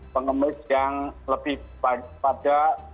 pengemis yang lebih pada